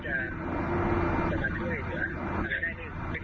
จริงจริงก็ได้อะไรอย่างแรกอย่างเป็นความกล้าครับครับว่าเอ่อ